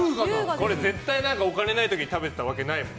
これ絶対お金ない時に食べてたわけないもん。